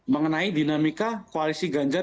mengenai dinamika koalisi ganjar